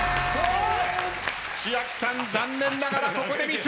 千秋さん残念ながらここでミス。